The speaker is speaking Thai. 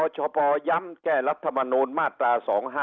อชยแก้รัฐมนตร์มาตรา๒๕๖